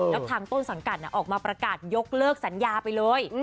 แล้วทางต้นสังกัดออกมาประกาศยกเลิกสัญญาไปเลย